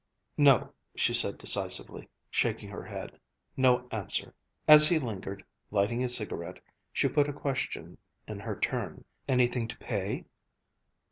"No," she said decisively, shaking her head. "No answer." As he lingered, lighting a cigarette, she put a question in her turn, "Anything to pay?"